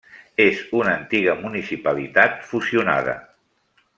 És una antiga municipalitat fusionada.